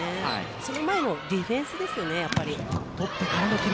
その前のディフェンスですよね、やっぱり。